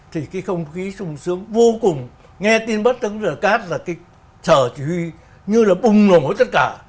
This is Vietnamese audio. thì cái không khí sung sướng vô cùng nghe tin bắt tướng đức các là cái sở chỉ huy như là bùng nổ tất cả